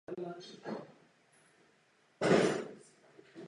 Nahrání softwaru na počítač vyžaduje oprávnění správce.